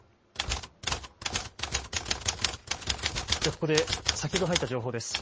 ここで先ほど入った情報です。